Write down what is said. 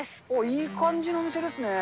いい感じの店ですね。